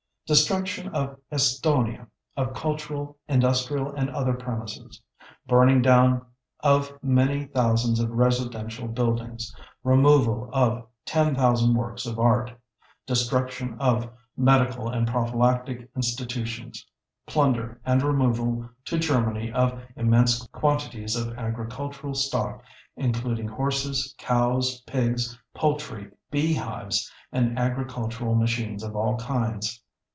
Destruction in Estonia of cultural, industrial, and other premises: burning down of many thousands of residential buildings; removal of 10,000 works of art; destruction of medical and prophylactic institutions; plunder and removal to Germany of immense quantities of agricultural stock including horses, cows, pigs, poultry, beehives, and agricultural machines of all kinds.